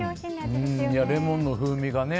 レモンの風味が。